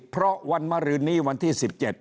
เพราะวันมรืนนี้วันที่๑๗